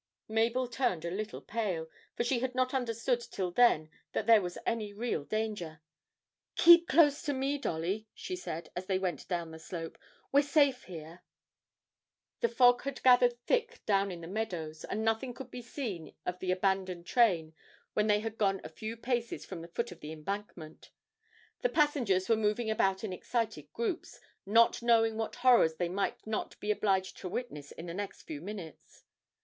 Mabel turned a little pale, for she had not understood till then that there was any real danger. 'Keep close to me, Dolly,' she said, as they went down the slope; 'we're safe here.' The fog had gathered thick down in the meadows, and nothing could be seen of the abandoned train when they had gone a few paces from the foot of the embankment; the passengers were moving about in excited groups, not knowing what horrors they might not be obliged to witness in the next few minutes.